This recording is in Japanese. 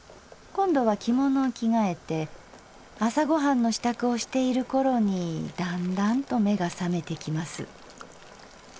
今度は着物を着替えて朝ご飯の支度をしているころにだんだんと目が覚めてきます。